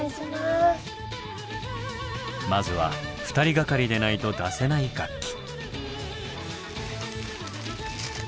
まずは２人がかりでないと出せない楽器。